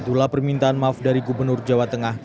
itulah permintaan maaf dari gubernur jawa tengah